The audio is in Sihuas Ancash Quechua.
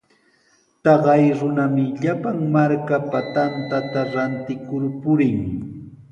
Taqay runami llapan markapa tantata rantikur purin.